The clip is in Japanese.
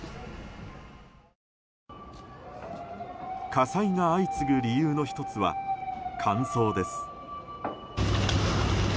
火災が相次ぐ理由の１つは乾燥です。